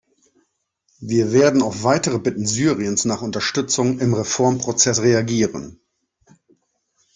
Wir werden auf weitere Bitten Syriens nach Unterstützung im Reformprozess reagieren.